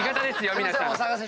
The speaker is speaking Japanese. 皆さん。